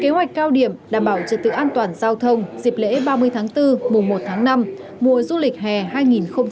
hội cao điểm đảm bảo trật tự an toàn giao thông dịp lễ ba mươi tháng bốn mùa một tháng năm mùa du lịch hè hai nghìn hai mươi hai và sea games ba mươi một